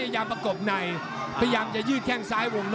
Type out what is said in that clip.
ซ้ายหลังตัวยังมีเป็นปัญหาเลย